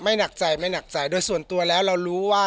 หนักใจไม่หนักใจโดยส่วนตัวแล้วเรารู้ว่า